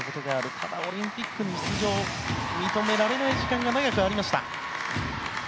ただ、オリンピックに出場が認められない時間が長くありました。